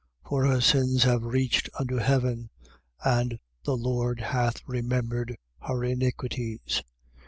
18:5. For her sins have reached unto heaven: and the Lord hath remembered her iniquities.